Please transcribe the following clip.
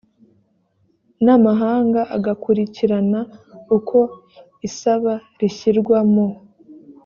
n amahanga agakurikirana uko isaba rishyirwa mu